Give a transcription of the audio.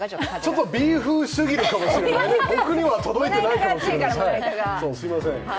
ちょっと微風すぎるかもしれない、僕には届いてないかもしれない。